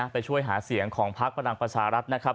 ไปช่วยหาเสียงของพักพลังประชารัฐนะครับ